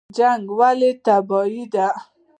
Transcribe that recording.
جنګ ولې تباهي ده؟